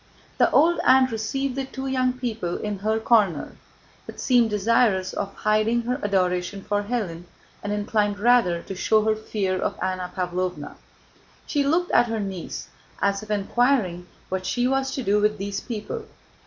The old aunt received the two young people in her corner, but seemed desirous of hiding her adoration for Hélène and inclined rather to show her fear of Anna Pávlovna. She looked at her niece, as if inquiring what she was to do with these people.